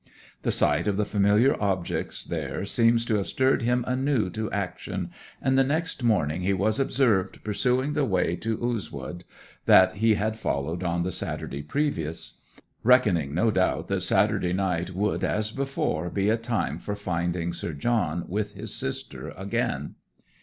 The sight of the familiar objects there seems to have stirred him anew to action, and the next morning he was observed pursuing the way to Oozewood that he had followed on the Saturday previous, reckoning, no doubt, that Saturday night would, as before, be a time for finding Sir John with his sister again.